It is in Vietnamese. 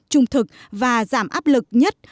trung thực và giảm áp lực nhất